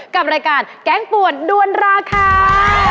กับรายการแกงป่วนด้วนราคา